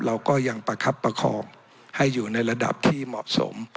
เราก็ยังประคับประคองให้อยู่ในระดับที่เหมาะสม